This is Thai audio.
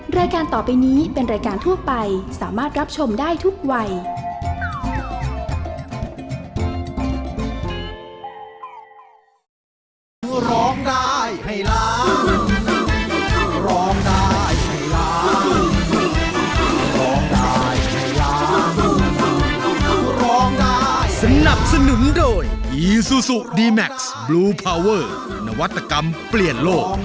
รายการต่อไปนี้เป็นรายการทั่วไปสามารถรับชมได้ทุกวัย